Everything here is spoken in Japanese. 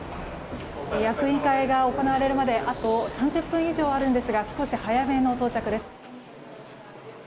役員会が行われるまであと３０分以上あるんですが少し早めの到着です。